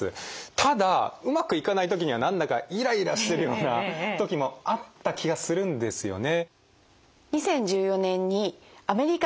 ただうまくいかない時には何だかイライラしてるような時もあった気がするんですよね。